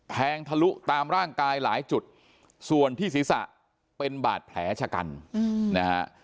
ทะลุตามร่างกายหลายจุดส่วนที่ศีรษะเป็นบาดแผลชะกันนะฮะ